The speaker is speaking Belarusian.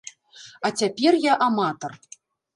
А цяпер я аматар.